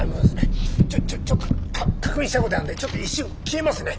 ちょっちょっちょっと確認したいことあるんでちょっと一瞬消えますね。